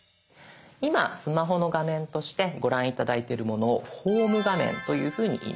今スマホの画面としてご覧頂いてるものを「ホーム画面」というふうにいいます。